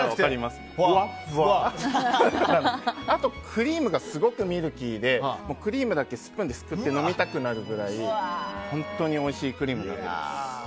あと、クリームがすごくミルキーでクリームだけスプーンですくって飲みたくなるくらい本当においしいクリームになってます。